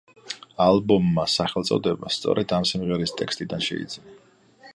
ალბომმა სახელწოდება სწორედ ამ სიმღერის ტექსტიდან შეიძინა.